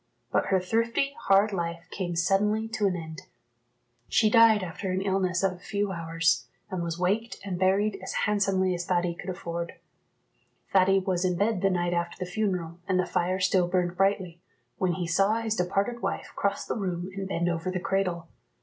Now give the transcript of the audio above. But her thrifty, hard life came suddenly to an end. She died after an illness of a few hours, and was waked and buried as handsomely as Thady could afford. Thady was in bed the night after the funeral, and the fire still burned brightly, when he saw his departed wife cross the room and bend over the cradle.